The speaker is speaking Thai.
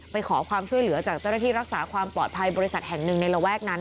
ไปขอความช่วยเหลือจากเจ้าหน้าที่รักษาความปลอดภัยบริษัทแห่งหนึ่งในระแวกนั้น